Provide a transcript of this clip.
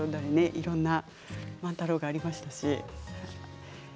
いろんな万太郎がありましたし。